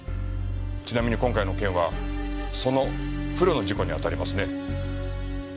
ちなみに今回の件はその不慮の事故に当たりますね。